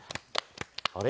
あれ？